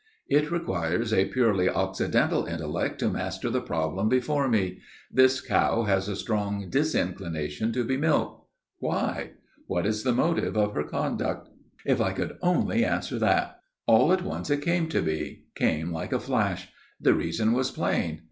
It requires a purely occidental intellect to master the problem before me. This cow has a strong disinclination to be milked. Why? What is the motive of her conduct? If I could only answer that!' All at once it came to me, came like a flash. The reason was plain.